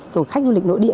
rồi khách du lịch nội địa